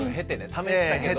試したけど。